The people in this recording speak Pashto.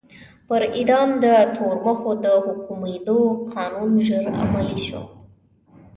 پر اعدام د تورمخو د محکومېدو قانون ژر عملي شو.